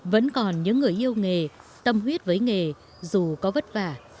vẫn còn những người yêu nghề tâm huyết với nghề dù có vất vả